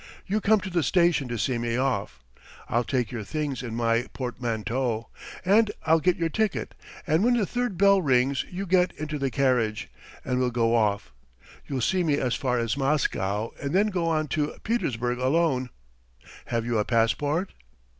"You come to the station to see me off. ... I'll take your things in my portmanteau, and I'll get your ticket, and when the third bell rings you get into the carriage, and we'll go off. You'll see me as far as Moscow and then go on to Petersburg alone. Have you a passport?"